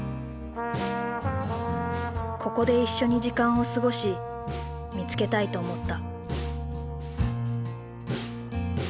ここで一緒に時間を過ごし見つけたいと思った。